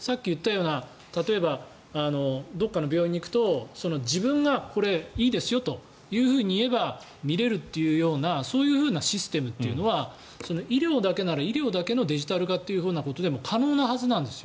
さっき言ったような例えばどこかの病院に行くと自分がこれいいですよというふうに言えば見れるというようなそういうふうなシステムは医療だけなら医療だけのデジタル化ということでも可能なはずなんです。